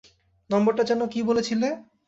নম্বরটা যেন কী বলেছিলে?